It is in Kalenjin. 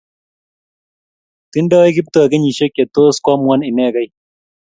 Tidnoi Kiptoo kenyisiek che tos koamuan inekei